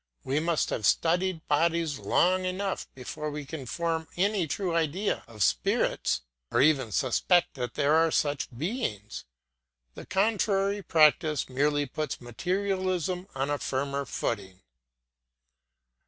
We must have studied bodies long enough before we can form any true idea of spirits, or even suspect that there are such beings. The contrary practice merely puts materialism on a firmer footing.